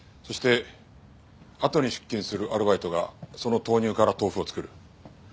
そしてあとに出勤するアルバイトがその豆乳から豆腐を作る。